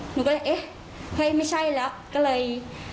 หนูก็เลยเอ๊ะเฮ้ยไม่ใช่แล้วก็เลย